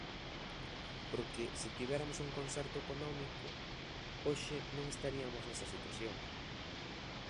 Porque, se tiveramos un concerto económico, hoxe non estariamos nesta situación.